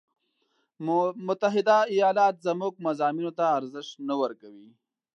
متحده ایالات زموږ مضامینو ته ارزش نه ورکوي.